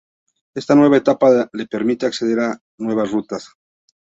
Esta nueva etapa le permite acceder a nuevas rutas.